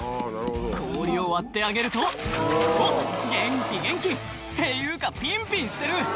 氷を割ってあげるとおっ元気元気！っていうかピンピンしてる！